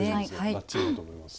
バッチリだと思います。